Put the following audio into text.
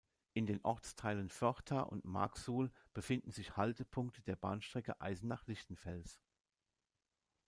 In den Ortsteilen Förtha und Marksuhl befinden sich Haltepunkte der Bahnstrecke Eisenach–Lichtenfels.